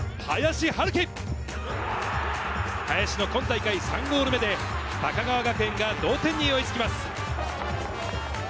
林の今大会３ゴール目で高川学園が同点に追いつきます。